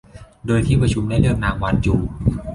โดยที่ประชุมได้เลือกนางวานจู